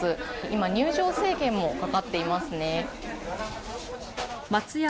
今、入場制限もかかっていますね。